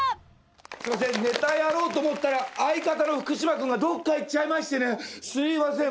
すいませんネタやろうと思ったら相方の福島君がどっか行っちゃいましてねすいません